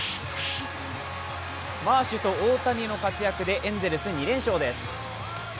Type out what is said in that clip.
マーシュと大谷の活躍でエンゼルス２連勝です。